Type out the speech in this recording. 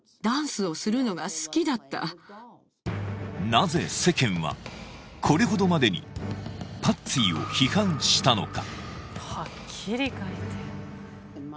なぜ世間はこれほどまでにパッツィを批判したのか？